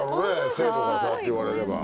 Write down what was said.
生徒からそうやって言われれば。